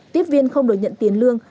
tiếp viên không được nhận tiền lương